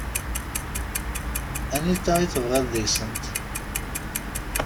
Anita i tebɣiḍ deg-sent?